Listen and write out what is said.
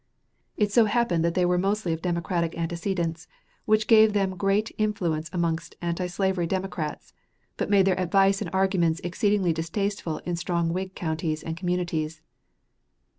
It so happened that they were mostly of Democratic antecedents, which gave them great influence among antislavery Democrats, but made their advice and arguments exceedingly distasteful in strong Whig counties and communities.